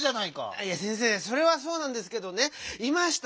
いや先生それはそうなんですけどね「いました」